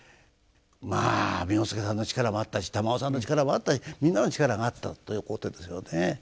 まあ簑助さんの力もあったし玉男さんの力もあったしみんなの力があったということですよね。